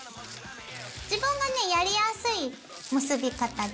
自分がねやりやすい結び方で。